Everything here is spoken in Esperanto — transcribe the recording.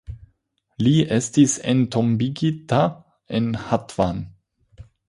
Li estis entombigita en Hatvan.